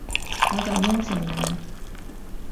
我就應承你